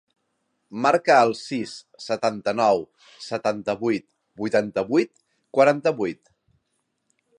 Marca el sis, setanta-nou, setanta-vuit, vuitanta-vuit, quaranta-vuit.